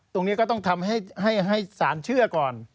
ตรงนี้ก็ต้องทำให้สารเชื่อก่อน